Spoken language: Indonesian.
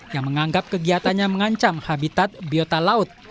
yang menganggap kegiatannya mengancam habitat biota laut